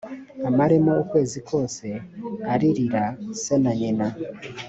amaremo ukwezi kose aririra se na nyina;